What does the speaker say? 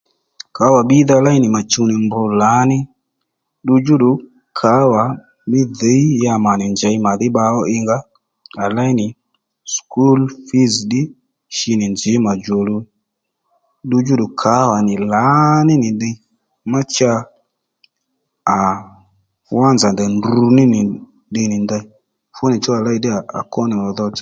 Kǎwà bbìydha léy nì mà chuw nì lǎní ddu djúddù kǎwà mí dhǐy ya mà nì njěy màdhí bbá ǐngá à léy nì sùkúl fǐz ddí shi nì nzǐ mà djòluw ddu djúddù kǎwà nì lǎní nì ddiy má cha à wánzà ndèy ndruní nì ddiy nì ndey fúnì chú à ley à kwó nì mà dhotso